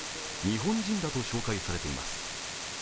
日本人だと紹介されています。